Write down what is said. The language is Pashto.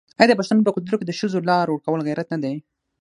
آیا د پښتنو په کلتور کې د ښځو لار ورکول غیرت نه دی؟